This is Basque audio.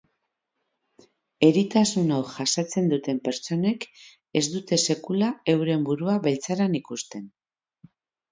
Eritasun hau jasaten duten pertsonek, ez dute sekula euren burua beltzaran ikusten.